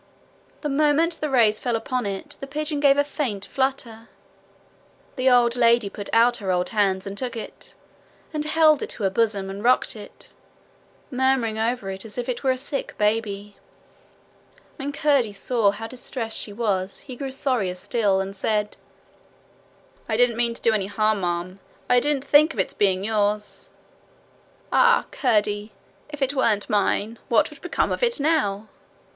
The moment the rays fell upon it the pigeon gave a faint flutter. The old lady put out her old hands and took it, and held it to her bosom, and rocked it, murmuring over it as if it were a sick baby. When Curdie saw how distressed she was he grew sorrier still, and said: 'I didn't mean to do any harm, ma'am. I didn't think of its being yours.' 'Ah, Curdie! If it weren't mine, what would become of it now?'